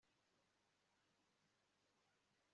ngo kibe urwibutso rw'amategeko yawe